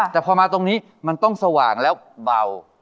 แต่พอมาตรงนี้มันต้องสว่างแล้วเบา